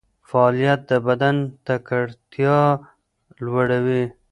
فعالیت د بدن تکړتیا لوړوي.